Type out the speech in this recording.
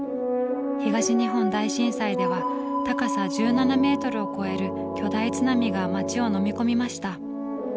東日本大震災では高さ１７メートルを超える巨大津波が町をのみ込みました。